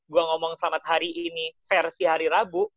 gue ngomong selamat hari ini versi hari rabu